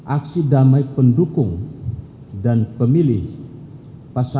aksi damai pendukung dan pemilih pasangan